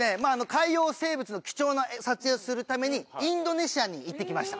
海洋生物の貴重な撮影をするためにインドネシアに行ってきました。